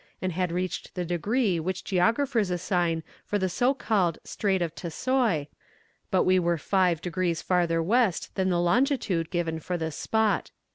and had reached the degree which geographers assign for the so called Strait of Tessoy, but we were five degrees farther west than the longitude given for this spot.